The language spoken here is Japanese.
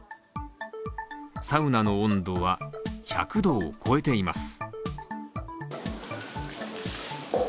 サウナの温度は１００度を超えています。